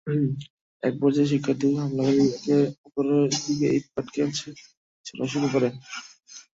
একপর্যায়ে শিক্ষার্থী ও হামলাকারীরা একে অপরের দিকে ইটপাটকেল ছোড়া শুরু করে।